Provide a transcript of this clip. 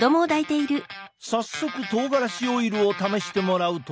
早速とうがらしオイルを試してもらうと。